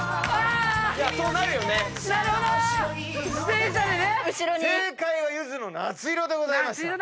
正解はゆずの『夏色』でございました。